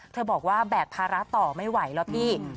บอกว่าแบกภาระต่อไม่ไหวแล้วพี่